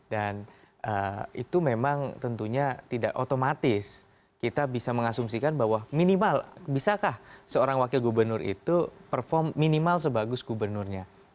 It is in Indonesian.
dan itu memang tentunya tidak otomatis kita bisa mengasumsikan bahwa minimal bisakah seorang wakil gubernur itu perform minimal sebagus gubernurnya